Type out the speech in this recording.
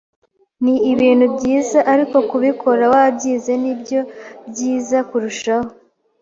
ni ibintu byiza ariko kubikora wabyize nibyo byiza kurushaho